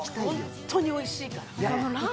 ホントにおいしいから。